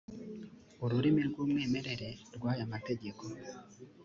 ururimi rw umwimerere rw aya mategeko